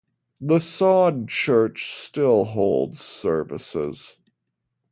The Saude church still holds services.